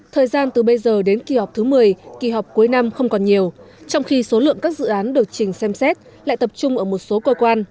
thời gian từ bây giờ đến kỳ họp thứ một mươi kỳ họp cuối năm không còn nhiều trong khi số lượng các dự án được trình xem xét lại tập trung ở một số cơ quan